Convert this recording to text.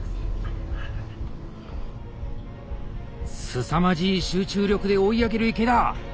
すさまじい集中力で追い上げる池田。